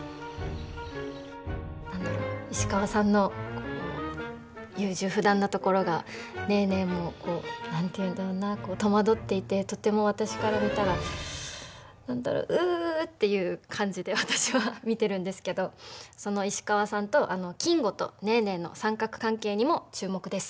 何だろう石川さんの優柔不断なところがネーネーもこう何て言うんだろうなあ戸惑っていてとても私から見たら何だろううっていう感じで私は見てるんですけどその石川さんと金吾とネーネーの三角関係にも注目です。